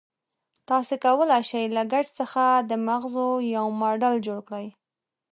تاسې کولای شئ له ګچ څخه د مغزو یو ماډل جوړ کړئ.